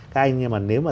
các anh nhưng mà nếu mà